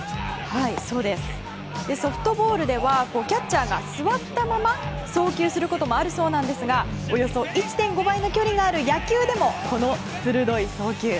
ソフトボールではキャッチャーが座ったまま送球することもあるそうですがおよそ１．５倍の距離がある野球でもこの鋭い送球。